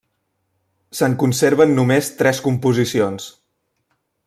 Se'n conserven només tres composicions.